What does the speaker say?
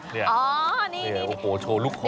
นี่โอ้โฮเซวลุคคอ